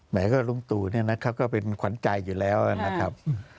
หมายความว่าลุงตู่เขาก็เป็นขวัญใจอยู่แล้วนะครับ